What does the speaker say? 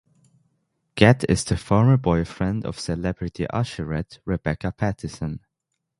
Gatt is the former boyfriend of celebrity usherette, Rebecca Pattison.